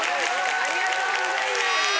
ありがとうございます！